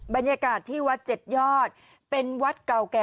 บรรยากาศที่วัดเจ็ดยอดเป็นวัดเก่าแก่